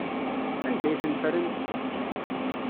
Anda ay ten-ffrent?